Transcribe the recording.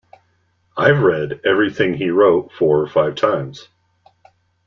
I've read everything he wrote four or five times.